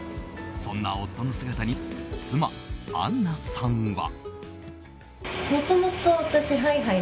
そんな夫の姿に妻アンナさんは。